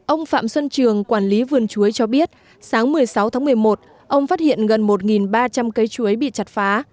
ông phạm xuân trường quản lý vườn chuối cho biết sáng một mươi sáu tháng một mươi một ông phát hiện gần một ba trăm linh cây chuối bị chặt phá